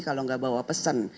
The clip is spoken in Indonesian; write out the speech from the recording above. kalau tidak bawa pesan